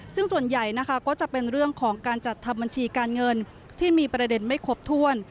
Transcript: ซึ่งส่วนใหญ่นะคะก็จะเป็นเรื่องของการจัดทำบัญชีการเงินที่มีประเด็นไม่ครบถ้วน